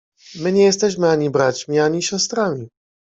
My nie jesteśmy ani braćmi, ani siostrami.